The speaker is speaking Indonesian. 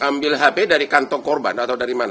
ambil hp dari kantong korban atau dari mana